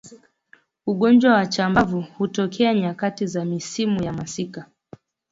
Ugonjwa wa chambavu hutokea nyakati za misimu ya masika